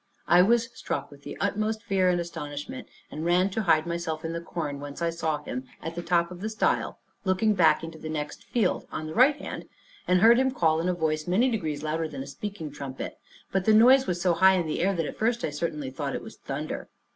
I was struck with the utmost fear and astonishment, and ran to hide myself in the corn, whence I saw him at the top of the stile looking back into the next field, on the right hand, and heard him call in a voice many degrees louder than a speaking trumpet; but the noise was so high in the air, that at first I certainly thought it was thunder.